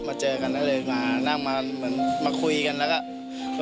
เจอกันแล้วเลยมานั่งมาเหมือนมาคุยกันแล้วก็